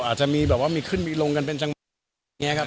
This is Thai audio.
อาจจะมีขึ้นมีลงกันเป็นจังหวะ